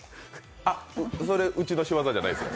あ、それうちの仕業じゃないですよ。